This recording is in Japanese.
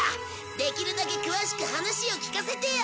できるだけ詳しく話を聞かせてよ。